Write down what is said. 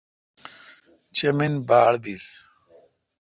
چمین باڑبیل۔